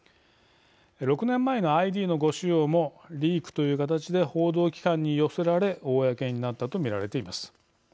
６年前のＩＤの誤使用もリークという形で報道機関に寄せられ公になったとみられています。